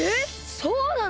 そうなの！？